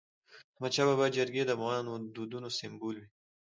د احمدشاه بابا جرګي د افغان دودونو سمبول وي.